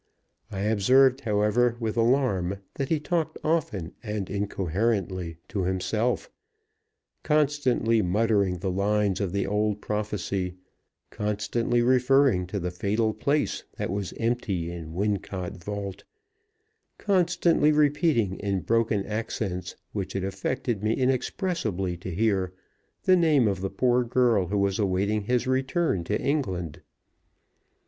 I observed, however, with alarm, that he talked often and incoherently to himself constantly muttering the lines of the old prophecy constantly referring to the fatal place that was empty in Wincot vault constantly repeating in broken accents, which it affected me inexpressibly to hear, the name of the poor girl who was awaiting his return to England.